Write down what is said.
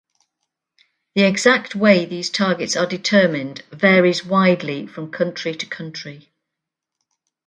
The exact way these targets are determined varies widely from country to country.